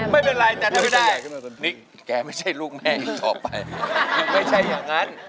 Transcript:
ไม่เป็นไรแต่ถ้าไม่ได้นี่แกไม่ใช่ลูกแม่อีกต่อไปไม่ใช่อย่างนั้น